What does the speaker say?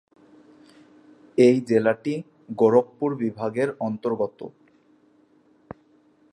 এই জেলাটি গোরখপুর বিভাগের অন্তর্গত।